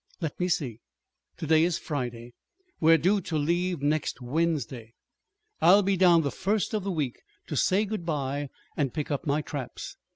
Let me see to day is Friday. We are due to leave next Wednesday. I'll be down the first of the week to say good bye and pick up my traps.